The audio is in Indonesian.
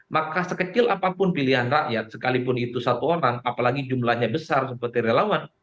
maka sekecil apapun pilihan rakyat sekalipun itu satu orang apalagi jumlahnya besar seperti relawan